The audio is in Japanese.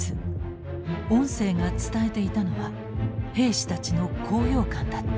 音声が伝えていたのは兵士たちの高揚感だった。